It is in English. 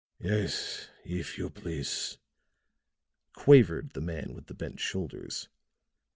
"Yes, if you please," quavered the man with the bent shoulders.